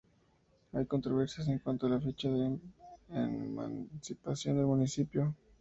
Hay controversias en cuanto a la fecha de emancipación del municipio.